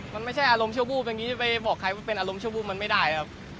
มันไม่ใช่อารมณ์ชั่ววูบอย่างนี้จะไปบอกใครว่าเป็นอารมณ์ชั่ววูบมันไม่ได้ครับ